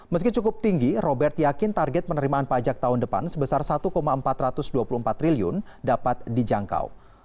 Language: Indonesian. meski cukup tinggi robert yakin target penerimaan pajak tahun depan sebesar satu empat ratus dua puluh empat triliun dapat dijangkau